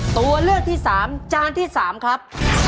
ตัวเลือกที่๓จานที่๓ครับ